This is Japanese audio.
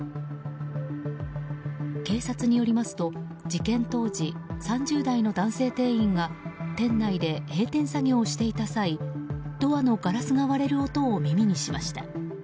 警察によりますと事件当時３０代の男性店員が店内で閉店作業をしていた際ドアのガラスが割れる音を耳にしました。